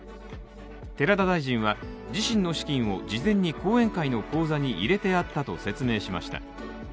寺田大臣は自身の資金を事前に後援会の口座に入れてあったと説明しました。